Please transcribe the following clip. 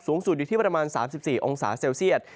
สูงสุดอยู่ที่ประมาณ๓๔องศาเซลเซียต